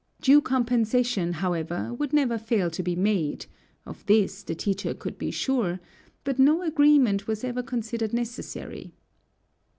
Due compensation, however, would never fail to be made, of this the teacher could be sure, but no agreement was ever considered necessary.